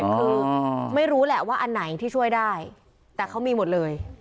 คือไม่รู้แหละว่าอันไหนที่ช่วยได้แต่เขามีหมดเลย